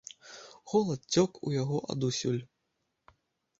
Холад цёк у яго адусюль.